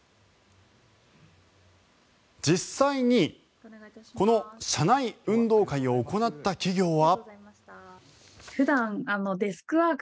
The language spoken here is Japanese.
実際にこの社内運動会を行った企業は。